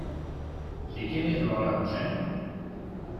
si quieres lo hablamos, ¿ eh?